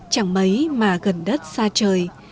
không có lúc nào mấy mà gần đất xa trời